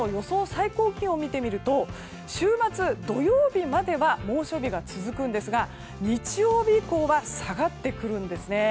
最高気温を見てみると週末、土曜日までは猛暑日が続くんですが日曜日以降は下がってくるんですね。